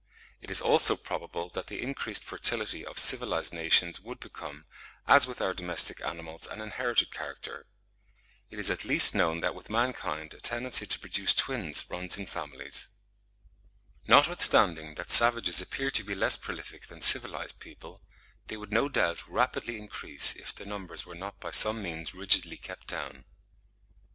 It is also probable that the increased fertility of civilised nations would become, as with our domestic animals, an inherited character: it is at least known that with mankind a tendency to produce twins runs in families. (59. Mr. Sedgwick, 'British and Foreign Medico Chirurgical Review,' July 1863, p. 170.) Notwithstanding that savages appear to be less prolific than civilised people, they would no doubt rapidly increase if their numbers were not by some means rigidly kept down.